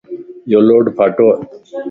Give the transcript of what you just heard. يو لوڊ ڦاتوَ